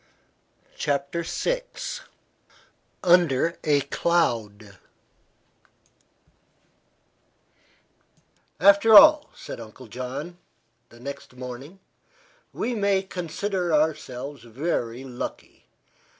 CHAPTER VI UNDER A CLOUD "After all," said Uncle John, next morning, "we may consider ourselves very lucky.